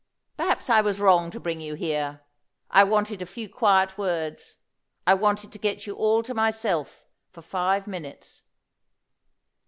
Perhaps I was wrong to bring you here; I wanted a few quiet words I wanted to get you all to myself for five minutes."